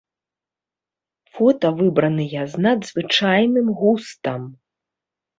Фота выбраныя з надзвычайным густам.